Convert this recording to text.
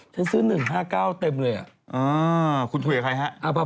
ฉันซื้อหนึ่งห้าเก้าเต็มเลยคุณถ่วยกับใครครับ